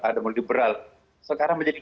ada muliberal sekarang menjadi